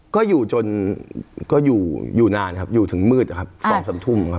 ก็อยู่จนก็อยู่อยู่นานครับอยู่ถึงมืดนะครับ๒๓ทุ่มครับ